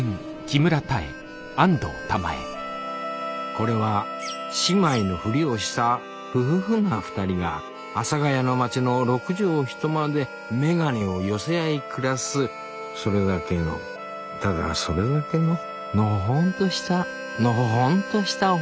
これは姉妹のフリをしたふふふな２人が阿佐ヶ谷の町の６畳一間で眼鏡を寄せ合い暮らすそれだけのただそれだけののほほんとしたのほほんとしたお話です